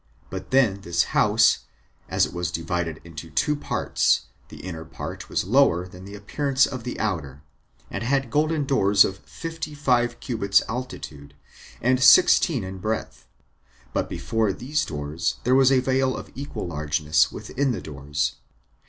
But then this house, as it was divided into two parts, the inner part was lower than the appearance of the outer, and had golden doors of fifty five cubits altitude, and sixteen in breadth; but before these doors there was a veil of equal largeness with the doors.